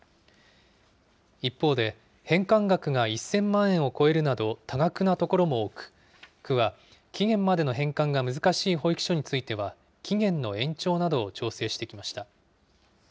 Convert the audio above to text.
一方で、返還額が１０００万円を超えるなど多額な所も多く、区は期限までの返還が難しい保育所については、期限の延長などを調整してきました。